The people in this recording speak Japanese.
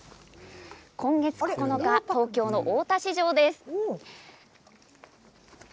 今月９日、東京の大田市場です。